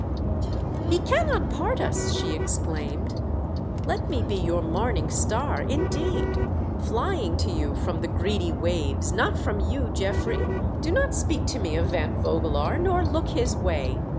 "" He cannot part us !" she exclaimed. " Let me be your Morning Star, indeed, flying to you from the greedy waves, not from you, Geoffrey ! Do not speak to me of Van Vogelaar, nor look his way.